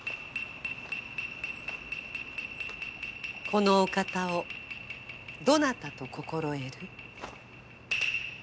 このお方をどなたと心得る？